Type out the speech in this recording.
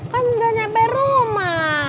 kan gak nyampe rumah